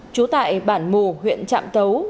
chú tại bản mù huyện trạm tấu